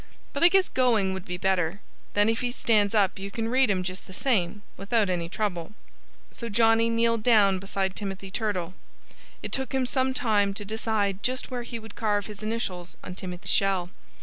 "But I guess going would be better. Then if he stands up you can read 'em just the same, without any trouble." So Johnnie kneeled down beside Timothy Turtle. It took him some time to decide just where he would carve his initials on Timothy's shell.